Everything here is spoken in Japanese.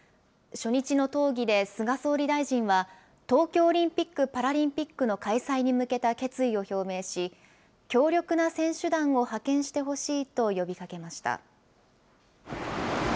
初日の討議で菅総理大臣は、東京オリンピック・パラリンピックの開催に向けた決意を表明し、強力な選手団を派遣してほしいと呼びかけました。